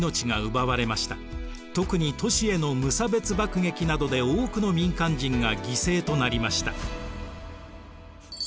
特に都市への無差別爆撃などで多くの民間人が犠牲となりました。